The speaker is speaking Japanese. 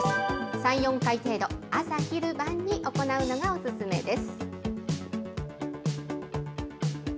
３、４回程度、朝、昼、晩に行うのがお勧めです。